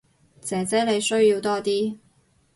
姐姐你需要多啲